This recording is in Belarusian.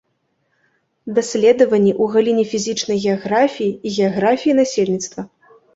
Даследаванні ў галіне фізічнай геаграфіі і геаграфіі насельніцтва.